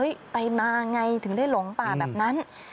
ไปมาไงถึงได้หลงป่าแบบนั้น